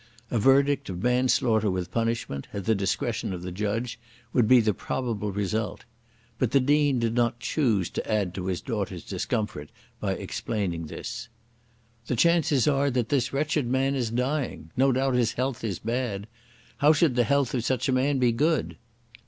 A verdict of manslaughter with punishment, at the discretion of the judge, would be the probable result. But the Dean did not choose to add to his daughter's discomfort by explaining this. "The chances are that this wretched man is dying. No doubt his health is bad. How should the health of such a man be good?